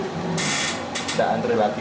nggak antri lagi